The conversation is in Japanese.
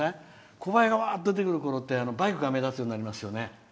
コバエがわーって出てくるころバイクが目立つようになりますよね。